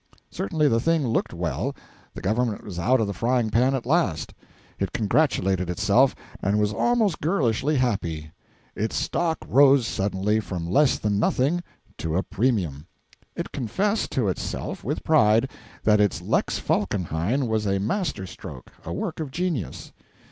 Certainly the thing looked well. The government was out of the frying pan at last. It congratulated itself, and was almost girlishly happy. Its stock rose suddenly from less than nothing to a premium. It confessed to itself, with pride, that its Lex Falkenhayn was a master stroke a work of genius.